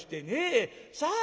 さあ